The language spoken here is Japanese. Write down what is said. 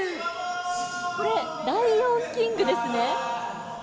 これ、ライオン・キングですね。